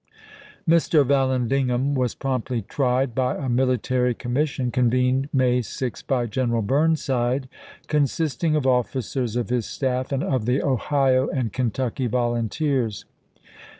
Mr. Vallandigham was promptly tried by a mili tary commission, convened May 6 by General i863. Burnside, consisting of officers of his staff and of the Ohio and Kentucky volunteers.